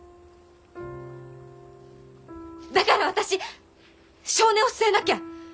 だから私性根を据えなきゃ！